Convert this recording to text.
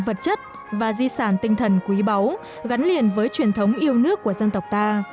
vật chất và di sản tinh thần quý báu gắn liền với truyền thống yêu nước của dân tộc ta